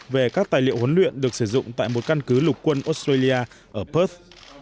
về các tài liệu huấn luyện được sử dụng tại một căn cứ lục quân australia ở perth